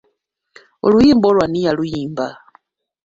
Oluyimba olwo ani yaluyimba?